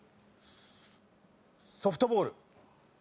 ソソフトボール。